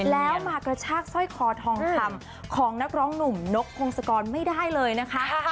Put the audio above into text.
แล้วมากระชากสร้อยคอทองคำของนักร้องหนุ่มนกพงศกรไม่ได้เลยนะคะ